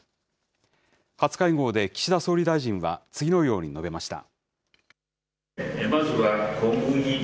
初会合で岸田総理大臣は次のように述べました。